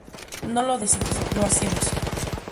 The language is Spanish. No lo decimos, lo hacemos".